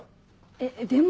えっでも。